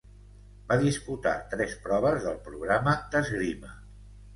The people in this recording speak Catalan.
Va disputar tres proves del programa d'esgrima.